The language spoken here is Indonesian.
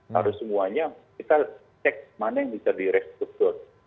harus semuanya kita cek mana yang bisa di restruktur